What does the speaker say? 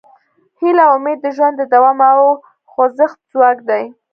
هیله او امید د ژوند د دوام او خوځښت ځواک دی.